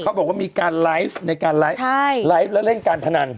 เขาบอกว่ามีการไลฟ์ในการไลฟ์แล้วเล่นการพนัน